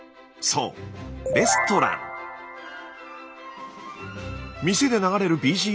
そう店で流れるＢＧＭ。